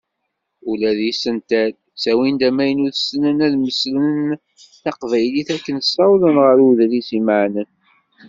Ula deg yisental, ttawin-d amaynut, ssnen ad mmeslen taqbaylit akken ssawḍen ɣer uḍris imeɛnen.